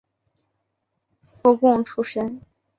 附贡出身。